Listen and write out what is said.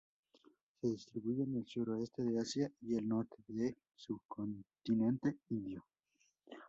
Se distribuye en el sureste de Asia y el norte del subcontinente Indio.